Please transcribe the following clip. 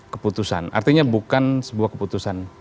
keputusan artinya bukan sebuah keputusan